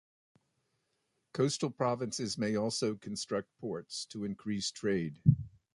Coastal provinces may also construct ports to increase trade.